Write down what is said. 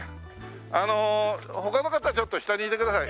あの他の方ちょっと下にいてください。